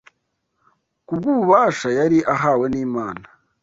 Kubw’ububasha yari ahawe n’Imana,